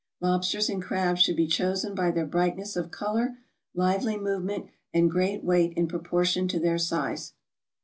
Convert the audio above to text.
Lobsters and crabs should be chosen by their brightness of color, lively movement, and great weight in proportion to their size.